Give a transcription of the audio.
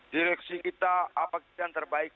direksi kita apa yang terbaik